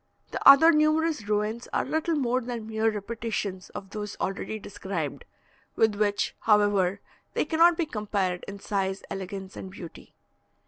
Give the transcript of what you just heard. The other numerous ruins are little more than mere repetitions of those already described, with which, however, they cannot be compared in size, elegance, and beauty.